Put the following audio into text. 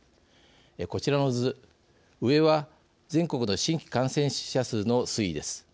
こちらの図、上は全国の新規感染者数の推移です。